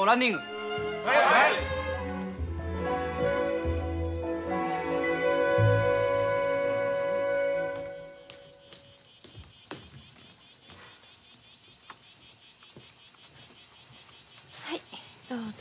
はいどうぞ。